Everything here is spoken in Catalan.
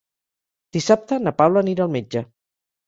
Dissabte na Paula anirà al metge.